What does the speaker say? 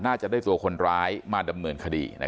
น่าจะได้ตัวคนร้ายมาดำเนินคดี